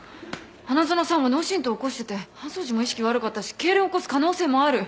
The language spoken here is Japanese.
花園さんは脳振とう起こしてて搬送時も意識悪かったしけいれん起こす可能性もある。